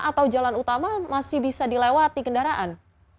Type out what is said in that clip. atau jalan utama masih bisa dilewati kendaraan